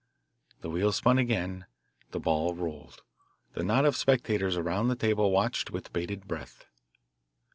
The wheel spun again; the ball rolled. The knot of spectators around the table watched with bated breath.